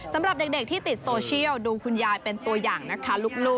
สำหรับเด็กที่ติดโซเชียลดูคุณยายเป็นตัวอย่างนะคะลูก